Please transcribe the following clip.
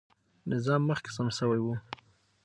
نظام مخکې سم سوی و.